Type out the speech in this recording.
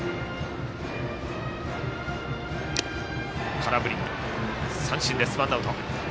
空振り三振、ワンアウト。